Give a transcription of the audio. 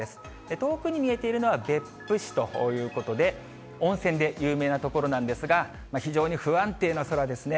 遠くに見えているのは別府市ということで、温泉で有名な所なんですが、非常に不安定な空ですね。